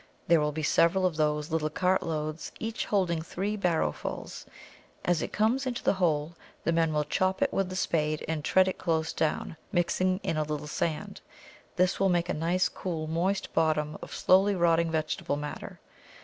There will be several of those little cartloads, each holding three barrowfuls. As it comes into the hole, the men will chop it with the spade and tread it down close, mixing in a little sand. This will make a nice cool, moist bottom of slowly rotting vegetable matter.